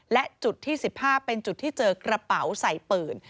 และจุดที่๑๕เป็นจุดที่เจอกระเป๋าใส่ปืน